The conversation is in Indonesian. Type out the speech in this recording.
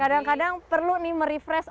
kadang kadang perlu nih merefresh